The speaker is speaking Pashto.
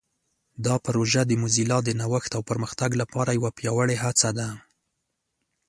دا پروژه د موزیلا د نوښت او پرمختګ لپاره یوه پیاوړې هڅه ده.